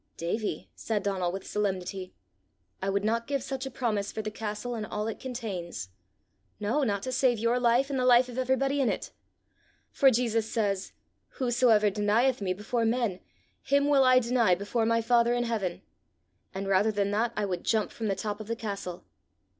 "Davie," said Donal with solemnity, "I would not give such a promise for the castle and all it contains no, not to save your life and the life of everybody in it! For Jesus says, 'Whosoever denieth me before men, him will I deny before my father in heaven;' and rather than that, I would jump from the top of the castle.